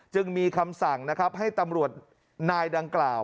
จึงมีคำสั่งนะครับให้ตำรวจนายดังกล่าว